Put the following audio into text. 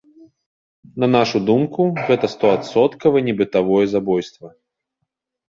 На нашу думку, гэта стоадсоткава не бытавое забойства.